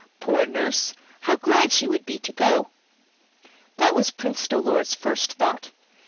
Poor nurse! how glad she would be to go!" That was Prince Dolor's first thought.